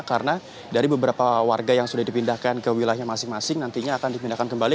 karena dari beberapa warga yang sudah dipindahkan ke wilayahnya masing masing nantinya akan dipindahkan kembali